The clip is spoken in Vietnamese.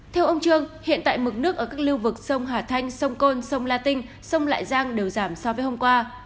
theo ông trương hiện tại mực nước ở các lưu vực sông hà thanh sông côn sông la tinh sông lại giang đều giảm so với hôm qua